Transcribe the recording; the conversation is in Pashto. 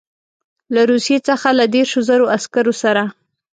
له روسیې څخه له دېرشو زرو عسکرو سره.